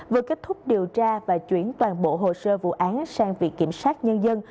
vừa kết thúc điều tra và chuyển toàn bộ hồ sơ vụ án sang viện kiểm sát nhân dân